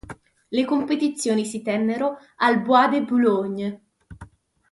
Le competizioni si tennero al Bois de Boulogne.